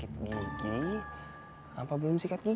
tante ruqilelicher beruntung di ceritakan material